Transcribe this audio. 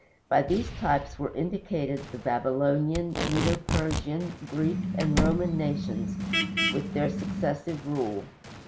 By these types were indicated the Babylonian, Medo Persian, Greek and Roman nations, with their successive rule.